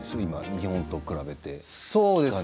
日本に比べて。